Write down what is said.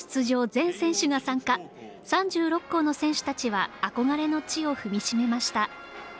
全選手が参加３６校の選手たちは憧れの地を踏みしめました。